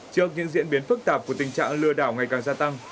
trước những diễn biến phức tạp của tình trạng lừa đảo ngày càng gia tăng